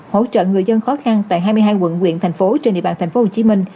hỗ trợ người dân khó khăn tại hai mươi hai quận quyện thành phố trên địa bàn tp hcm